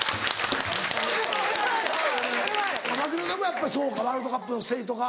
槙野でもやっぱりそうかワールドカップのステージとか。